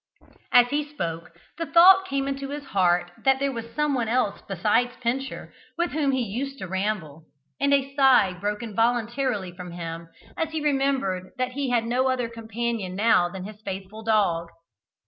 As he spoke, the thought came into his heart that there was someone else besides Pincher with whom he used to ramble, and a sigh broke involuntarily from him as he remembered that he had no other companion now than his faithful dog.